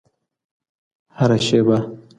هره شېبه